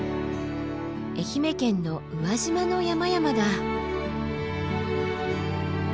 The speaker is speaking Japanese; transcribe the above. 愛媛県の宇和島の山々だ。